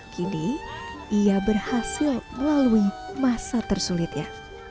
kini ia berhasil melalui masa tersulitnya